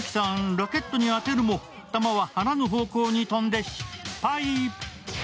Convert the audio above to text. ラケットに当てるも、球はあらぬ方向に飛んで失敗。